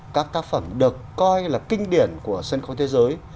các tác phẩm được coi là kinh điển của sân khấu thế giới